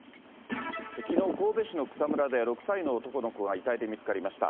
きのう、神戸市の草むらで、６歳の男の子が遺体で見つかりました。